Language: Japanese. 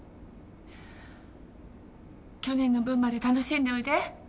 去年の分まで楽しんでおいで。